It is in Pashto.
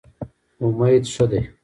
امید ښه دی.